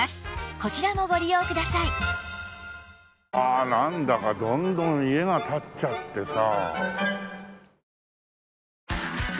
ああなんだかどんどん家が建っちゃってさ。